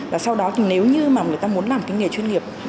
và sau đó thì nếu như mà người ta muốn làm cái nghề chuyên nghiệp